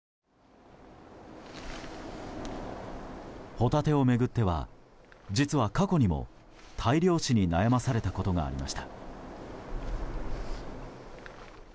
ホタテを巡っては実は過去にも大量死に悩まされたことがありました。